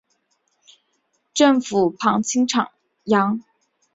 首府磅清扬。